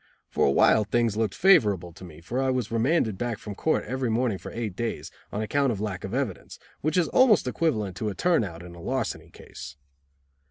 For a while things looked favorable to me, for I was remanded back from court every morning for eight days, on account of lack of evidence, which is almost equivalent to a turn out in a larceny case.